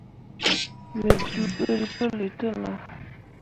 Me juubǝrri puli te nah.